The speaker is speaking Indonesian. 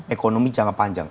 ekonomi jangka panjang